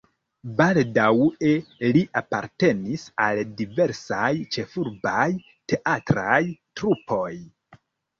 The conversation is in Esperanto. Baldaŭe li apartenis al diversaj ĉefurbaj teatraj trupoj.